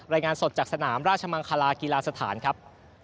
รายงานสดจากสนามราชมังคลากีฬาสถานครับ